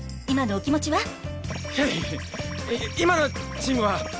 今のお気持ちは？